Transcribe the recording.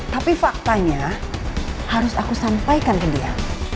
tapi faktanya harus aku sampaikan ke dia